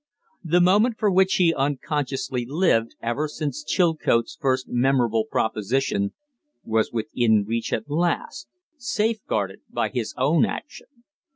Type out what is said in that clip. The moment for which he had unconsciously lived ever since Chilcote's first memorable proposition was within reach at last safeguarded by his own action.